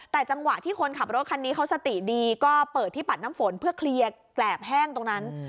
แต่จังหวะที่คนขับรถคันนี้เขาสติดีก็เปิดที่ปัดน้ำฝนเพื่อเคลียร์แกรบแห้งตรงนั้น